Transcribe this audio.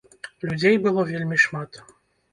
Людзей было вельмі шмат.